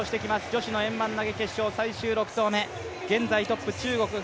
女子の円盤投、決勝最終６投目現在トップ、中国・馮彬。